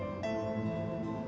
anak anak adalah titipan allah